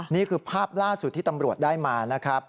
นี่คือภาพล่าสุดที่ตำรวจได้มานะครับ